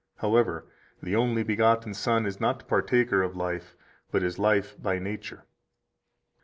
However, the only begotten Son is not partaker of life, but is life by nature."